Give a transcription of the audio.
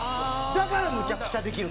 だからむちゃくちゃできる。